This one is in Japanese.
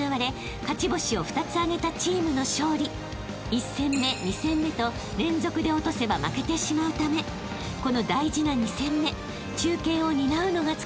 ［１戦目２戦目と連続で落とせば負けてしまうためこの大事な２戦目中堅を担うのが司君］